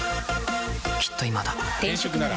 きっと今だ。